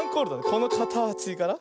このかたちから。